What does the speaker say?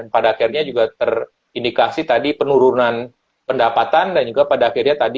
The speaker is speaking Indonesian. pada akhirnya juga terindikasi tadi penurunan pendapatan dan juga pada akhirnya tadi